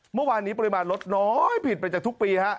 เมื่อวานนี้ปริมาณรถน้อยผิดไปจากทุกปีครับ